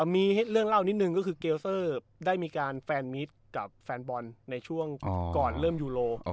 มีเรื่องเล่านิดนึงก็คือเกลเซอร์ได้มีการแฟนมิตรกับแฟนบอลในช่วงก่อนเริ่มยูโร